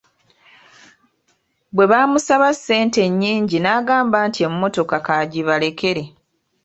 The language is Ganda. Bwe baamusaba ssente ennyingi n'agamba nti emmotoka k'agibalekere.